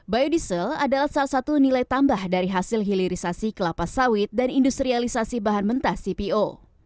biodiesel adalah salah satu nilai tambah dari hasil hilirisasi kelapa sawit dan industrialisasi bahan mentah cpo